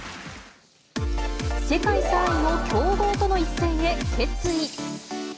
世界３位の強豪との一戦へ決意。